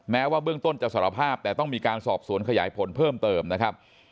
แม้ว่าเบื้องต้นจะสารภาพแต่ต้องมีการสอบสวนขยายผลเพิ่มเติมนะครับ